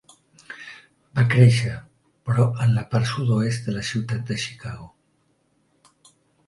Va créixer, però, en la part sud-oest de la ciutat de Chicago.